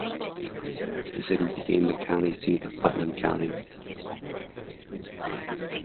The city became the county seat of Putnam County.